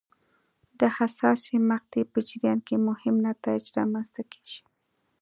د حساسې مقطعې په جریان کې مهم نتایج رامنځته کېږي.